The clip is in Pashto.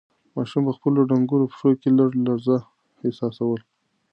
ماشوم په خپلو ډنگرو پښو کې لږه لړزه احساسوله.